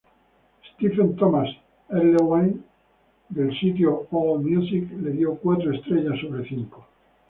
Stephen Thomas Erlewine del sitio Allmusic le dio cuatro estrellas de cinco.